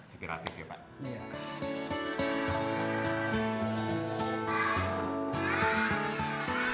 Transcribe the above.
sipilatif ya pak